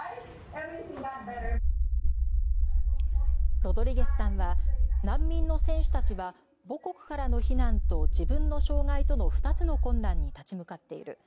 ロドリゲスさんは難民の選手たちは母国からの避難と自分の障害との２つの困難に立ち向かっている。